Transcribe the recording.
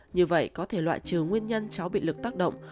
như vậy có thể loại trừ nguyên nhân cháu bị lực tác động